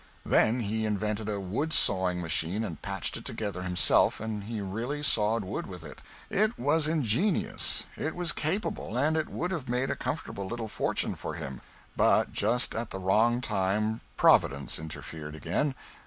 Then he invented a wood sawing machine and patched it together himself, and he really sawed wood with it. It was ingenious; it was capable; and it would have made a comfortable little fortune for him; but just at the wrong time Providence interfered again.